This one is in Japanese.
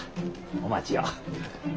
お待ちを。